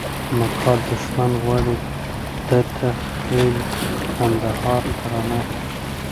مکار دښمن غواړي دته خېل کندهار ته رانقل کړي.